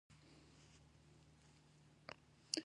زموږ بیړۍ په ډبرو ولګیده.